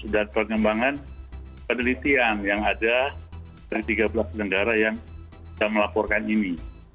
dan perkembangan penelitian yang ada dari tiga belas negara yang kita melaporkan ini